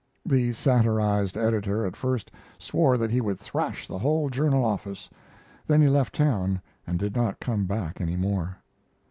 The satirized editor at first swore that he would thrash the whole journal office, then he left town and did not come back any more.